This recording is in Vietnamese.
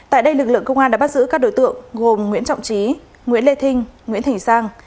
tại đây lực lượng công an đã bắt giữ các đối tượng gồm nguyễn trọng trí nguyễn lê thinh nguyễn thỉnh sang